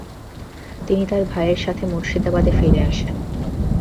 তিনি তার ভাইয়ের সাথে মুর্শিদাবাদে ফিরে আসেন।